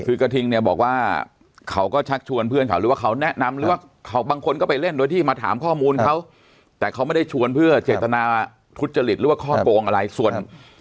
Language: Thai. คือกระทิงเนี่ยบอกว่าเขาก็ชักชวนเพื่อนเขาหรือว่าเขาแนะนำหรือว่าบางคนก็ไปเล่นโดยที่มาถามข้อมูลเขาแต่เขาไม่ได้ชวนเพื่อเจตนาทุจริตหรือว่าข้อโกงอะไรส่วน